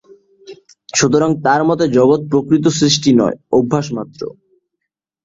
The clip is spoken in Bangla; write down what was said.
সুতরাং, তাঁর মতে জগৎ প্রকৃত সৃষ্টি নয়, অবভাস মাত্র।